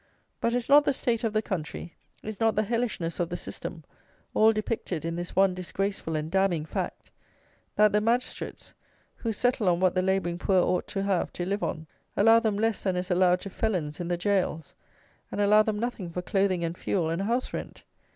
But is not the state of the country, is not the hellishness of the system, all depicted in this one disgraceful and damning fact, that the magistrates, who settle on what the labouring poor ought to have to live on, ALLOW THEM LESS THAN IS ALLOWED TO FELONS IN THE GAOLS, and allow them nothing for clothing and fuel, and house rent!